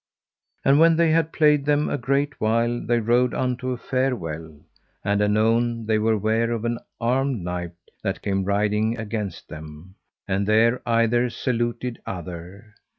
And when they had played them a great while they rode unto a fair well; and anon they were ware of an armed knight that came riding against them, and there either saluted other.